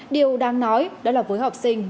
điều đáng nói đó là với học sinh